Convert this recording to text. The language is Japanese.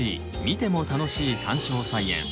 見ても楽しい観賞菜園！